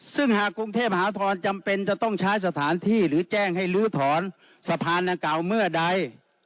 ซึ่งหากกรุงเทพมหานครจำเป็นจะต้องใช้สถานที่หรือแจ้งให้ลื้อถอนสะพานดังกล่าวเมื่อใด